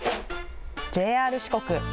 ＪＲ四国。